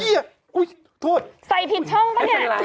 โอ้ยโทษใส่ผิดช่องปะเนี่ย